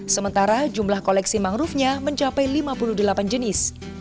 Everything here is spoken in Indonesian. sementara jumlah koleksi mangrovenya mencapai lima puluh delapan jenis